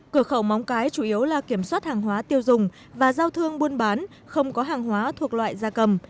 cửa khẩu móng cái chủ yếu là kiểm soát hàng hóa tiêu dùng và giao thương buôn bán không có hàng hóa thuộc loại da cầm